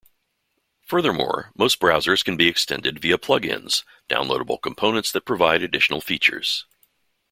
Furthermore, most browsers can be extended via plug-ins, downloadable components that provide additional features.